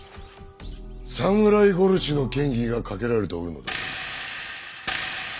侍殺しの嫌疑がかけられておるのだぞ。